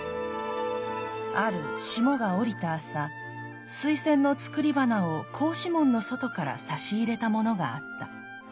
「ある霜が降りた朝水仙の作り花を格子門の外からさし入れた者があった。